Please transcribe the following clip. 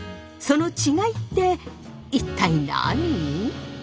その違いって一体何？